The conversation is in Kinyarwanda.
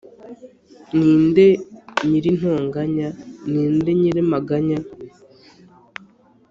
ni nde nyir'intonganya? ni nde nyir'amaganya